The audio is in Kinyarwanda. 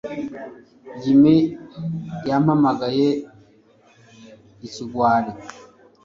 Jim yampamagaye ikigwari